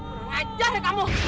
kurang ajar ya kamu